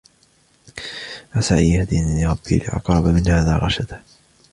عسى أن يهديني ربي لأقرب من هذا رشدًا.